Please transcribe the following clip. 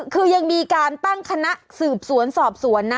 คือยังมีการตั้งคณะสืบสวนสอบสวนนะ